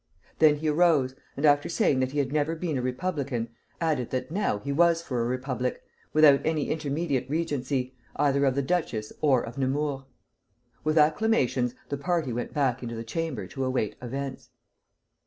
Then he arose, and after saying that he had never been a republican, added that now he was for a republic, without any intermediate regency, either of the duchess or of Nemours. With acclamations, the party went back into the Chamber to await events.